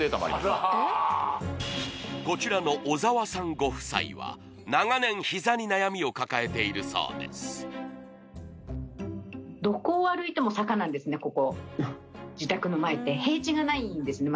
あらこちらの小澤さんご夫妻は長年膝に悩みを抱えているそうですんですね